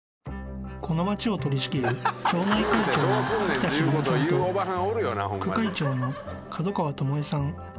［この町を取り仕切る町内会長の柿田茂美さんと副会長の門川巴さん］